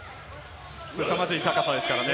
すさまじい高さですからね。